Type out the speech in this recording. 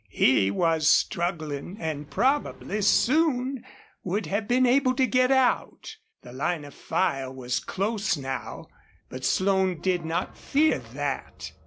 He was struggling and probably soon would have been able to get out. The line of fire was close now, but Slone did not fear that.